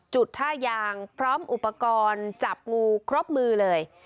จุดท่ายางพร้อมอุปกรณ์จับงูครบมือเลย